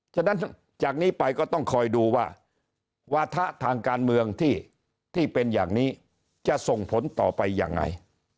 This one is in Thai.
ฉะนั้นจากนี้ไปก็ต้องคอยดูว่าวาถะทางการเมืองที่เป็นอย่างนี้จะส่งผลต่อไปยังไง